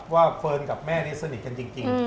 เฟิร์นกับแม่นี่สนิทกันจริง